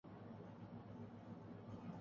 زندگی سادہ مگر باوقار تھی